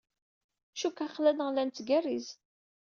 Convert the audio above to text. Cukkteɣ aql-aneɣ la nettgerriz.